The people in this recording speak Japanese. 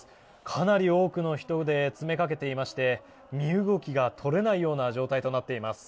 かなり多くの人で詰めかけていまして身動きが取れないような状態となっています。